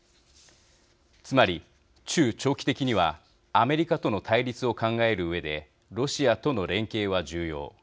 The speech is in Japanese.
つまり、中長期的にはアメリカとの対立を考えるうえでロシアとの連携は重要。